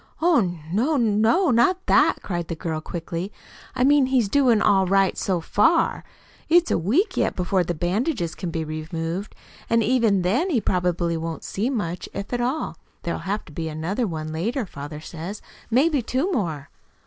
"Oh, no no not that!" cried the girl quickly. "I mean he's doing all right so far. It's a week yet before the bandages can be removed, and even then, he probably won't see much if at all. There'll have to be another one later father says maybe two more."